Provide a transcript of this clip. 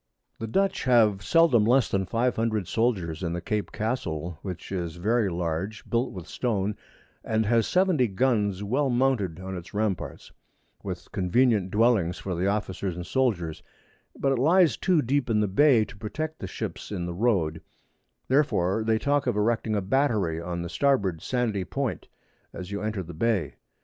The Dutch have seldom less than 500 Soldiers in the Cape Castle, which is very large, built with Stone, and has 70 Guns well mounted on its Ramparts, with convenient Dwellings for the Officers and Soldiers; but it lies too deep in the Bay to protect the Ships in the Road; therefore they talk of erecting a Battery on the Starboard sandy Point, as you enter the Bay.